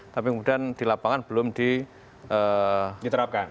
tapi kemudian di lapangan belum diterapkan